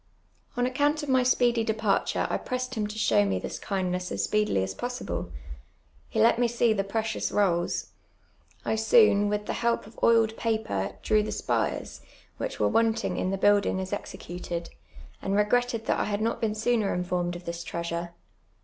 On account of my speedy departure I pressed him to show me this kindness as s])ec(lily as possible. lie let me sec the precious rolls ; I soon, with the help of oiled paper, drew the sj)ires, which were wanting in the build in«j as executed, and re'::iitted that I had not been sooner infonned of this treasure.